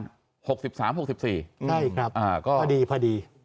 ใช่ครับพอดี